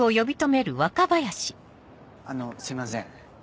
あのすいません。